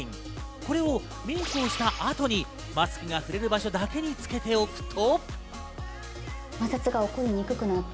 これをメイクをした後にマスクが触れる場所だけにつけておくと。